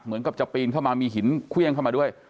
เหมือนกับจะปีนเข้ามามีหินเครื่องเข้ามาด้วย